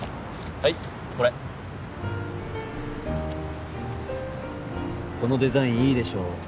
はいこれこのデザインいいでしょ